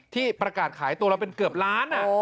ที่ประกาศขายตัวละเป็นเกือบล้าน